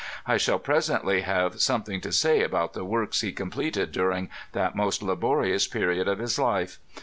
I shall presently have something to say about the works he com pleted during that most laborious period of his life.